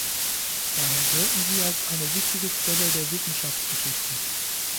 Daher gelten sie als eine wichtige Quelle der Wissenschaftsgeschichte.